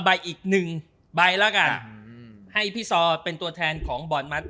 ใบอีกหนึ่งใบแล้วกันให้พี่ซอเป็นตัวแทนของบอร์ดมัส